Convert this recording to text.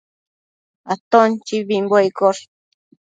Aton chibibimbuec iccosh